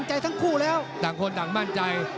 สวยเลยขึ้นมา